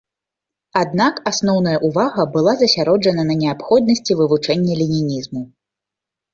Аднак асноўная ўвага была засяроджана на неабходнасці вывучэння ленінізму.